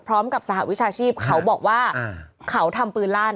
พร้อมกับสหวิชาชีพเขาบอกว่าเขาทำปืนลั่น